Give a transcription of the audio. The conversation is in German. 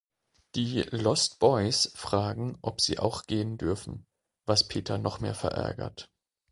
Die "Lost Boys" fragen, ob sie auch gehen dürfen, was Peter noch mehr verärgert.